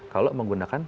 kalau menggunakan aset